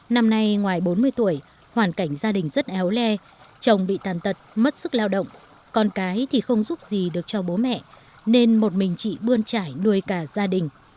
năm nay ngoài bốn mươi tuổi hoàn cảnh gia đình rất éo le chồng bị tàn tật mất sức lao động con cái thì không giúp gì được cho bố mẹ nên một mình chị bươn trải nuôi cả gia đình